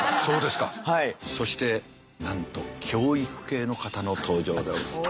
そしてなんと教育系の方の登場でございます。